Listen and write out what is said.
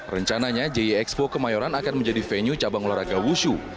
rencananya jie expo kemayoran akan menjadi venue cabang olahraga wushu